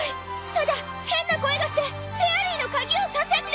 ただ変な声がしてフェアリーの鍵を挿せって。